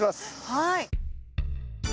はい。